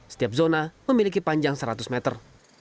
setiap zona memiliki panjang seratus meter